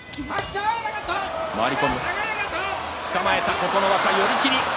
琴ノ若、寄り切り。